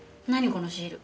このシール。